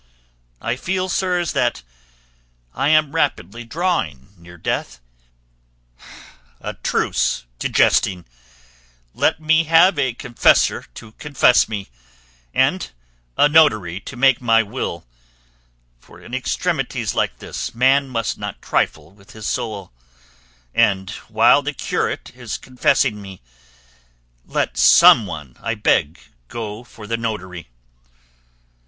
I feel, sirs, that I am rapidly drawing near death; a truce to jesting; let me have a confessor to confess me, and a notary to make my will; for in extremities like this, man must not trifle with his soul; and while the curate is confessing me let some one, I beg, go for the notary."